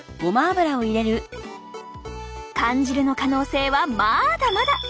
缶汁の可能性はまだまだ！